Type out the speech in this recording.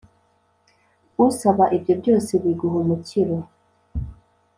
usaba ibyo byose biguha umukiro